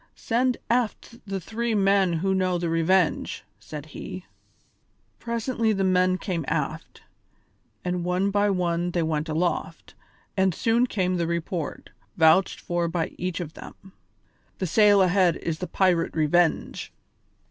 "Send aft the three men who know the Revenge," said he. Presently the men came aft, and one by one they went aloft, and soon came the report, vouched for by each of them: "The sail ahead is the pirate Revenge."